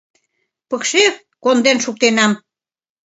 Пыкше конден шуктенам.